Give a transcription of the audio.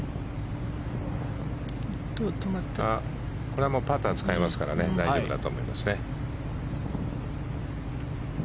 これはパターを使いますから大丈夫だと思いますね。